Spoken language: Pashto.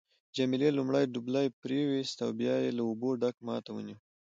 جميله لومړی دبلی پریویست او بیا یې له اوبو ډک ما ته ونیو.